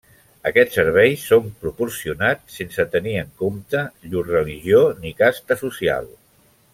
Aquests serveis són proporcionats sense tenir en compte llur religió ni casta social.